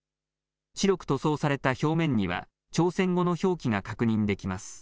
白く塗装された表面には朝鮮語の表記が確認できます。